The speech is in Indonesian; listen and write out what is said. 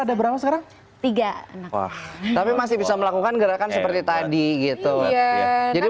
ada berapa sekarang tiga tapi masih bisa melakukan gerakan seperti tadi gitu ya jadi